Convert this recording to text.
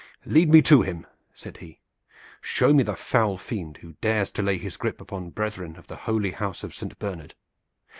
"Lead me to him!" said he. "Show me the foul fiend who dares to lay his grip upon brethren of the holy house of Saint Bernard!